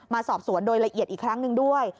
มาสอบสวนโดยละเอียดอีกครั้งหนึ่งด้วย